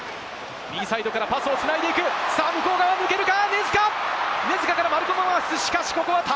右サイドからパスを繋いでいく、向こう側、抜けるか？